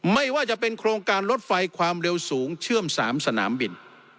ไม่ว่าจะเป็นโครงการรถไฟความเร็วสูงเชื่อม๓สนามบิน